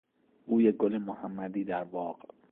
بوی گل محمدی در باغ